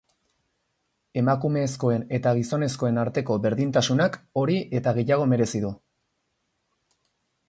Emakumezkoen eta gizonezkoen arteko berdintasunak hori eta gehiago merezi du.